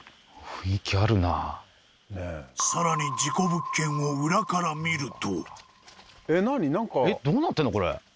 さらに事故物件を裏から見るとええ？